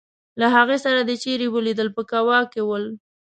له هغې سره دي چېرې ولیدل په کوا کې ول.